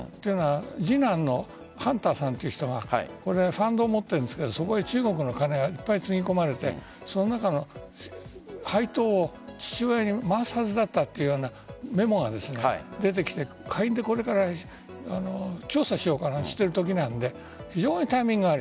次男のハンターさんという人がファンドを持っていますがそこに中国のお金がつぎ込まれてその中の配当を父親に回すはずだったというメモが出てきて、下院でこれから調査しようかなんて言っているところなので非常にタイミングが悪い。